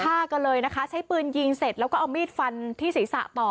ฆ่ากันเลยนะคะใช้ปืนยิงเสร็จแล้วก็เอามีดฟันที่ศีรษะต่อ